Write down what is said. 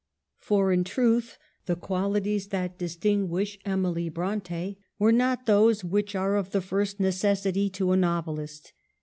For, in truth, the qualities that distinguish Emily Bronte are not those which are of the first necessity to a novelist.